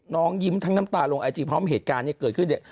น้องยิ้มทั้งน้ำตารวงไอจีบพร้อมเหตุการณ์เนี่ยเกิดขึ้น